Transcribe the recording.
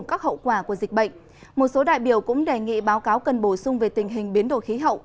các hậu quả của dịch bệnh một số đại biểu cũng đề nghị báo cáo cần bổ sung về tình hình biến đổi khí hậu